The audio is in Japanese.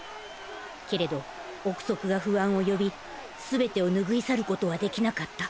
けれど憶測が不安を呼び全てを拭い去ることはできなかった。